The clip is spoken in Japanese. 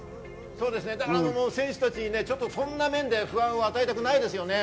選手たちにそんな面で不安を与えたくないですよね。